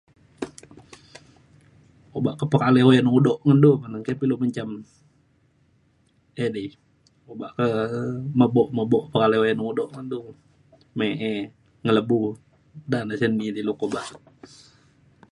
obak ke pekalai uyan udok ngan du [unintelligible] kulu ban ki pa ilu menjam edei obak ke mebok mebok pekalai uyan udok men du me'e ngelebu da na sen [unintelligible]